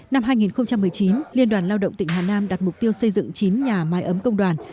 năm hai nghìn một mươi chín liên đoàn lao động tỉnh hà nam đặt mục tiêu xây dựng chín nhà máy ấm công đoàn